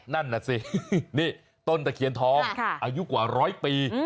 นั่นน่ะสินี่ต้นตะเคียนทองอายุกว่าร้อยปี